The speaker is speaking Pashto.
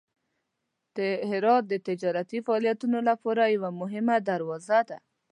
هرات د تجارتي فعالیتونو لپاره یوه مهمه دروازه ده.